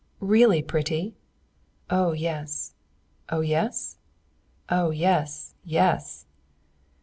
"Really pretty?" "Oh yes!" "Oh yes?" "Oh yes, yes!"